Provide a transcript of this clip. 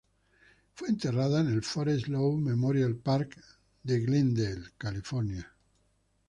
Fue enterrada en el Forest Lawn Memorial Park de Glendale, California.